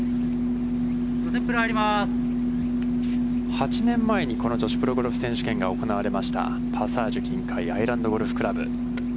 ８年前に、この女子プロゴルフ選手権が行われました、パサージュ琴海アイランドゴルフクラブ。